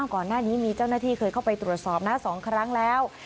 ก่อนหน้านี้มีเจ้าหน้าที่เคยเข้าไปตรวจสอบนะ๒ครั้งแล้ว